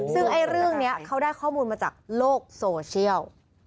ซึ่งเรื่องนี้เขาได้ข้อมูลมาจากโลกโซเชียล